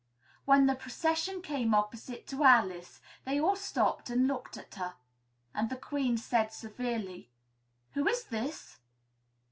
When the procession came opposite to Alice, they all stopped and looked at her, and the Queen said severely, "Who is this?"